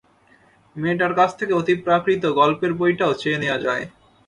মেয়েটার কাছ থেকে অতিপ্রাকৃত গল্পের বইটাও চেয়ে নেয়া যায়।